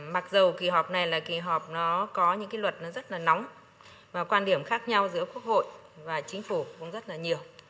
mặc dù kỳ họp này là kỳ họp nó có những cái luật nó rất là nóng và quan điểm khác nhau giữa quốc hội và chính phủ cũng rất là nhiều